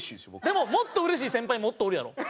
でももっとうれしい先輩もっとおるやろ？